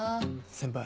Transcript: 先輩